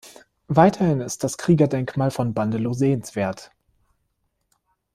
Weiterhin ist das Kriegerdenkmal von Bandelow sehenswert.